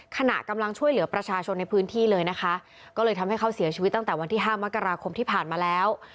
ขณะกำลังช่วยเหลือประชาชนในพื้นที่เลยนะคะก็เลยทำให้เขาเสียชีวิตตั้งแต่วันที่ห้ามกราคมที่ผ่านมาแล้ว